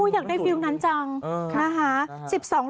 อยากได้วิวนั้นจัง